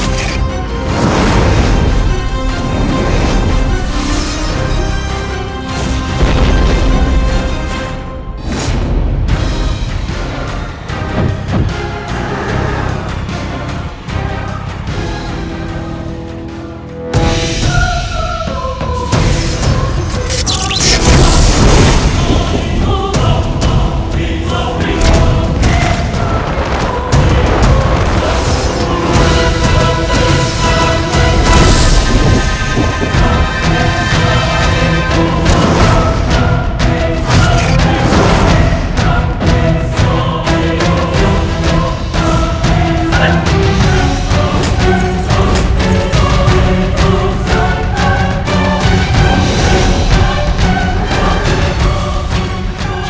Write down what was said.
gustiratu amit kasih